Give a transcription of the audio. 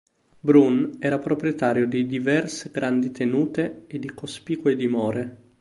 Brun era proprietario di diverse grandi tenute e di cospicue dimore.